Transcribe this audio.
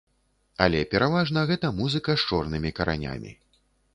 Але пераважна гэта музыка з чорнымі каранямі.